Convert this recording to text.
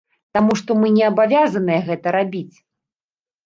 Таму што мы не абавязаныя гэта рабіць.